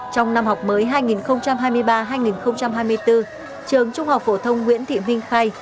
trong năm học mới hai nghìn hai mươi ba hai nghìn hai mươi bốn trường trung học phổ thông nguyễn thị minh khai